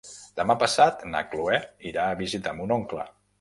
Demà passat na Chloé irà a visitar mon oncle.